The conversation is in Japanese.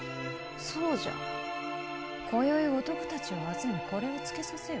そうじゃ今宵男たちを集めこれをつけさせよ。